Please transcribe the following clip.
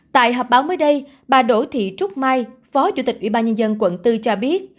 tại họp báo mới đây bà đỗ thị trúc mai phó chủ tịch ubnd quận bốn cho biết